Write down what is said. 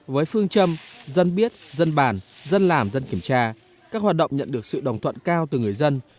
với phương châm dân biết dân bàn dân làm dân kiểm tra các hoạt động nhận được sự đồng thuận cao từ người dân